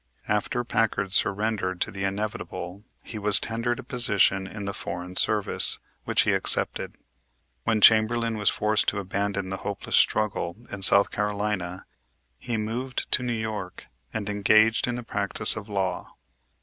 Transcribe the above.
After Packard surrendered to the inevitable he was tendered a position in the foreign service, which he accepted. When Chamberlain was forced to abandon the hopeless struggle in South Carolina, he moved to New York and engaged in the practice of law.